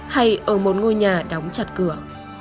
hay ở một ngôi nhà đóng chặt cửa